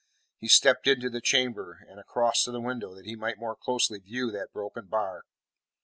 He stepped into, the chamber and across to the window, that he might more closely view that broken bar.